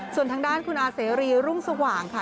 ส่วนทางด้านคุณอาเสรีรุ่งสว่างค่ะ